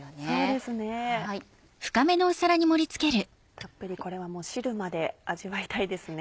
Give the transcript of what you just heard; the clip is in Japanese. たっぷりこれは汁まで味わいたいですね。